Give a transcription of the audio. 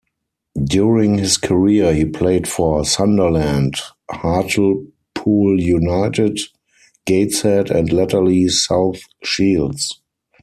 During his career, he played for Sunderland, Hartlepool United, Gateshead and latterly South Shields.